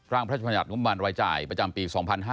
ร่างประชุมนิดหนึ่งงบันรายจ่ายประจำปี๒๕๖๒